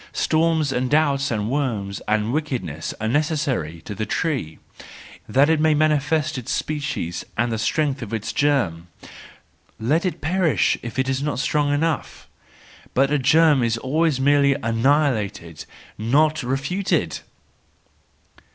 Storms and doubts and worms and wickedness are necessary to the tree, that it may manifest its species and the strength of its germ; let it perish if it is not strong enough! But a germ is always merely annihilated,—not refuted